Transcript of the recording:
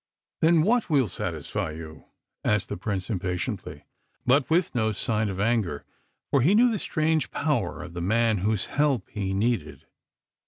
"Then what will satisfy you?" asked the Prince impatiently, but with no show of anger, for he knew the strange power of the man whose help he needed.